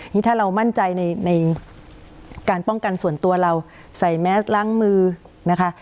นี่ถ้าเรามั่นใจในการป้องกันส่วนตัวเราใส่แมสล้างมือนะคะ